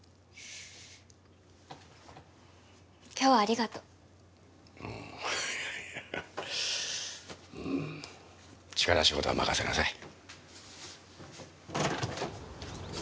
今日はありがとううんいやいやうん力仕事は任せなさい